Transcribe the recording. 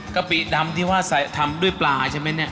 กปิดำที่ว่าทำด้วยปลาใช่ไหมเนี่ย